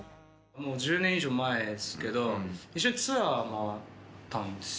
１０年以上前ですけど一緒にツアーを回ったんです。